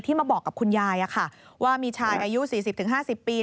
มาบอกกับคุณยายว่ามีชายอายุ๔๐๕๐ปี